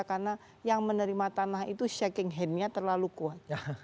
karena yang menerima tanah itu shaking hand nya terlalu kuat